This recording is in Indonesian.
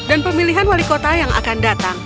dan pemilihan wali kota yang akan datang